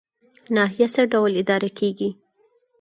ناحیه څه ډول اداره کیږي؟